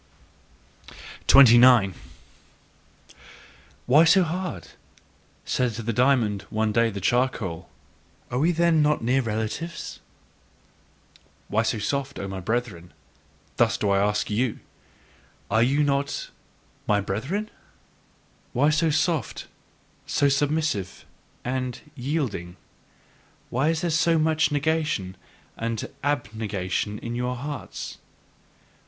29. "Why so hard!" said to the diamond one day the charcoal; "are we then not near relatives?" Why so soft? O my brethren; thus do I ask you: are ye then not my brethren? Why so soft, so submissive and yielding? Why is there so much negation and abnegation in your hearts?